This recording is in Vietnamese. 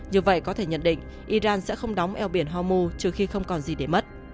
như vậy có thể nhận định iran sẽ không đóng eo biển hormu trừ khi không còn gì để mất